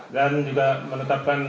dan juga menetapkan